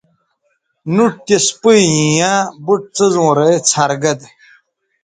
نُٹ تِس پیئں ییاں بُٹ څیزوں رے څھنر گید